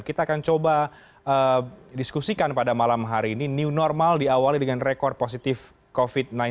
kita akan coba diskusikan pada malam hari ini new normal diawali dengan rekor positif covid sembilan belas